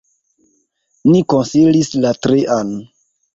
Ni konsilis la trian.